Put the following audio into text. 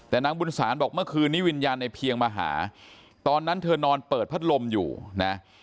แต่นางบุญศาลบอกเมื่อคืนนี้วิญญาณในเพียงมาหาตอนนั้นเธอนอนเปิดพัดลมอยู่นะ